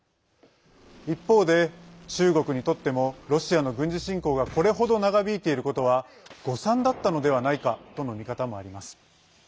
一方で、中国にとってもロシアの軍事侵攻がこれほど長引いていることは誤算だったのではないかとの見方もあります。